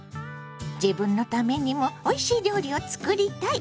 自分のためにもおいしい料理を作りたい！